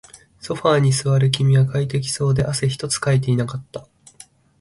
ソファーに座る君は快適そうで、汗一つかいていなかった